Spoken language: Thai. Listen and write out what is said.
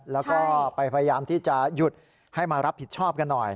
แล้วก็ไปพยายามที่จะหยุดให้มารับผิดชอบกันหน่อย